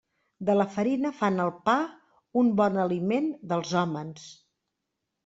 De la farina fan el pa, un bon aliment dels hòmens.